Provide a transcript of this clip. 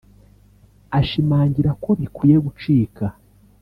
ashimangira ko bikwiye gucika